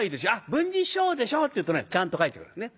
「文治師匠でしょ」って言うとねちゃんと書いてくれるんですね。